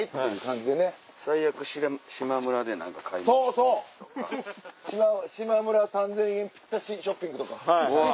しまむら３０００円ぴったしショッピングとか。